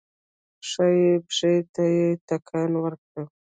ښی پښې ته يې ټکان ورکړ.